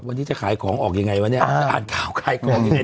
วันนี้จะขายของออกอย่างไรวะนี่อ่านข่าวขายของอย่างไร